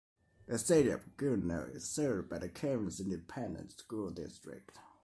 The City of Goodlow is served by the Kerens Independent School District.